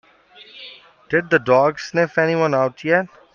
Did the dog sniff anyone out yet?